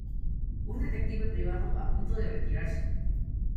Un detective privado a punto de retirarse.